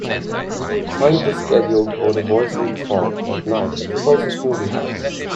Find the schedule for The Voice in the Fog at night at the closest movie house.